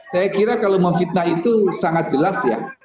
saya kira kalau memfitnah itu sangat jelas ya